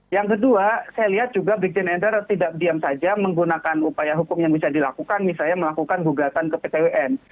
yang kedua saya lihat juga brigjen endar tidak diam saja menggunakan upaya hukum yang bisa dilakukan misalnya melakukan gugatan ke pt un